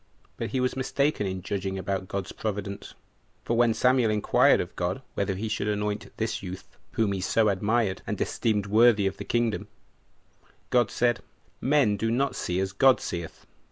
But he was mistaken in judging about God's providence; for when Samuel inquired of God whether he should anoint this youth, whom he so admired, and esteemed worthy of the kingdom, God said, "Men do not see as God seeth.